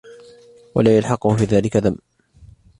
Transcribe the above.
وَلَا يَلْحَقَهُ فِي ذَلِكَ ذَمٌّ